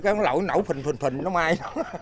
cái lỗi nó nổ phình phình phình nó mai